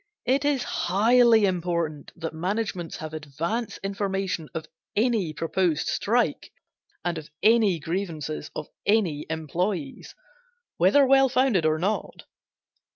It is highly important that managements have advance information of any proposed strike, and of any grievances of any employees, whether well founded or not.